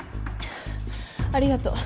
ありがとう。